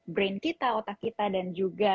brain kita otak kita dan juga